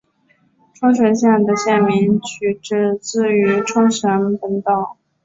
冲绳县的县名取自于冲绳本岛。